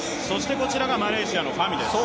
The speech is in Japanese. こちらがマレーシアのファミです。